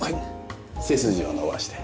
背筋を伸ばして。